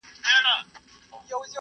د دولت لومړۍ مرحله د مخالفانو ماتول دي.